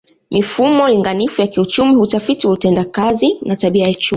Mifumo linganifu ya kiuchumi hutafiti utendakazi na tabia ya chumi